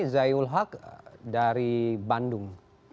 zaiul haq dari bandung